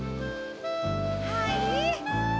はい。